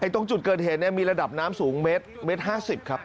ตรงจุดเกิดเหตุมีระดับน้ำสูงเมตร๕๐ครับ